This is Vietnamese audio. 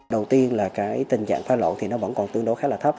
đầu tiên là tình trạng phá lộn vẫn còn tương đối khá là thấp